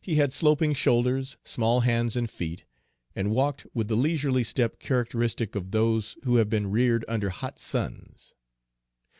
He had sloping shoulders, small hands and feet, and walked with the leisurely step characteristic of those who have been reared under hot suns.